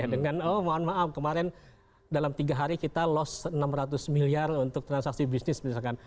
dengan oh mohon maaf kemarin dalam tiga hari kita loss enam ratus miliar untuk transaksi bisnis misalkan